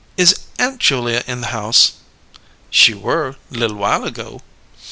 "Is Aunt Julia in the house?" "She were, li'l while ago."